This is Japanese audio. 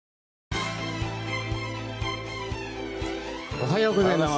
おはようございます。